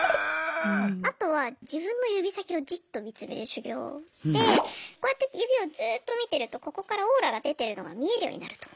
あとは自分の指先をじっと見つめる修行でこうやって指をずっと見てるとここからオーラが出てるのが見えるようになると。